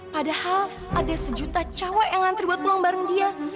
padahal ada sejuta cewek yang ngantri buat pulang bareng dia